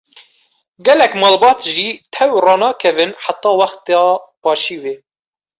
Gelek malbat jî tew ranakevin heta wexta paşîvê.